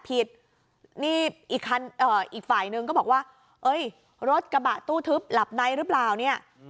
ผิดนี่อีกคันอีกฝ่ายนึงก็บอกว่าเอ้ยรถกระบะตู้ทึบหลับในหรือเปล่าเนี่ย